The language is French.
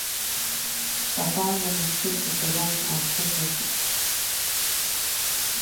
Sa part de marché était donc en progression.